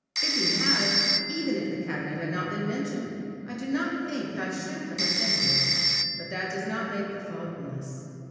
If he had, even if the cabinet had not been mentioned, I do not think I should have offended; but that does not make the fault less.